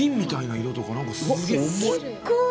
すっごい！